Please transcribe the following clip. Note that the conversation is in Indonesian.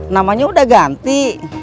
namanya udah ganti